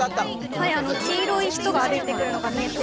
はい黄色い人が歩いてくるのが見えて